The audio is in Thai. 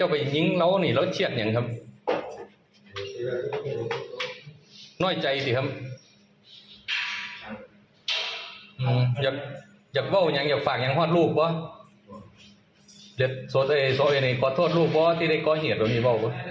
ประโทษผู้ตายหรือเปล่าครับ